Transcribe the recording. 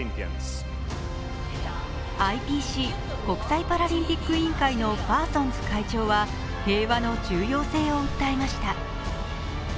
ＩＰＣ＝国際パラリンピック委員会のパーソンズ会長は平和の重要性を訴えました。